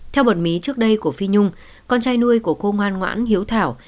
theo bẩn mí trước đây của phi nhung con trai nuôi của cô ngoan ngoãn hiếu thảo